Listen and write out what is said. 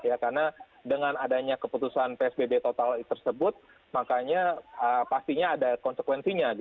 karena dengan adanya keputusan psbb total tersebut makanya pastinya ada konsekuensinya